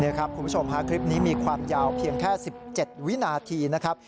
คุณผู้ชมฮะคลิปนี้มีความยาวเพียงแค่๑๗วินาทีนะครับ